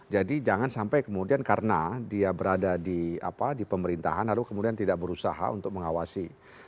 jadi jangan sampai kemudian karena dia berada di pemerintahan lalu kemudian tidak berusaha untuk mengawasi